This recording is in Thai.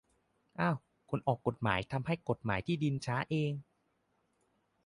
อ้าว ! คนออกกฎหมายทำให้กฎหมายที่ดินช้าเอง ?